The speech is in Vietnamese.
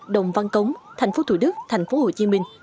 đồng văn cống tp thủ đức tp hcm